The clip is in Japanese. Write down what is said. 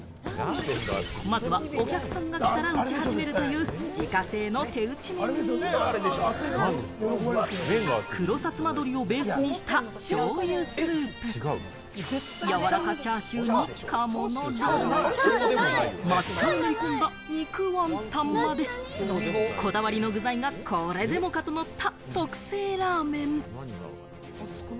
まずはお客さんが来たら打ち始めるという自家製の手打ち麺に黒さつまどりをベースにした、しょうゆスープ、やわらかチャーシューにカモのロース、抹茶を練り込んだ肉ワンタンまで、こだわりの具材がこれでもかとのった特製ラーメン。